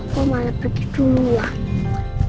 aku malah pergi duluan